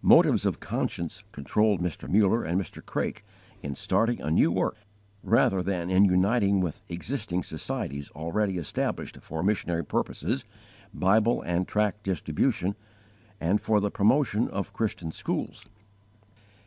Motives of conscience controlled Mr. Muller and Mr. Craik in starting a new work rather than in uniting with existing societies already established for missionary purposes, Bible and tract distribution, and for the promotion of Christian schools.